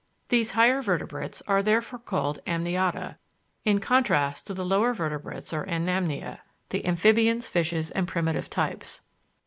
These higher Vertebrates are therefore called Amniota in contrast to the Lower Vertebrates or Anamnia (the Amphibians, Fishes, and primitive types).